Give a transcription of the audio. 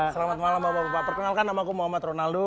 selamat malam bapak bapak perkenalkan nama aku muhammad ronaldo